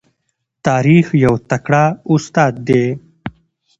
تاریخ یو تکړه استاد دی.